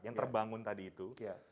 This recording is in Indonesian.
yang terbangun tadi itu